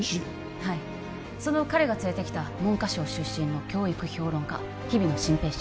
はいその彼が連れてきた文科省出身の教育評論家日比野晋平氏